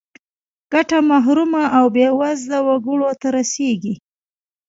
ګټه محرومو او بې وزله وګړو ته رسیږي.